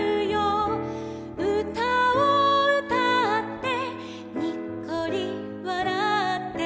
「うたをうたってにっこりわらって」